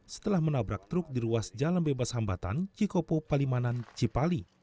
setelah menabrak truk di ruas jalan bebas hambatan cikopo palimanan cipali